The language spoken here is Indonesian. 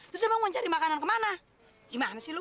terus emang mau cari makanan kemana gimana sih lo